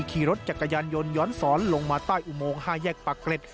ขี่รถจักรยานยนต์ย้อนสอนลงมาใต้อุโมง๕แยกปากเกร็ด